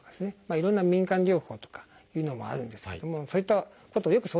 いろんな民間療法とかいうのもあるんですけどもそういったことよく相談されます。